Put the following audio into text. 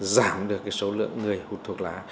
giảm được số lượng người hụt thuốc lá